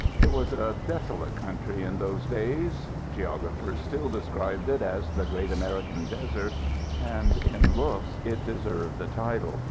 It was a desolate country in those days; geographers still described it as The Great American Desert, and in looks it deserved the title.